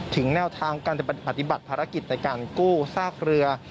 แนวทางการจะปฏิบัติภารกิจในการกู้ซากเรือ